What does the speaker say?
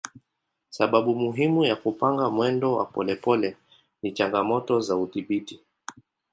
Sababu muhimu ya kupanga mwendo wa polepole ni changamoto za udhibiti.